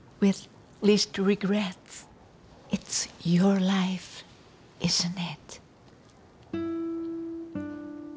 えっ！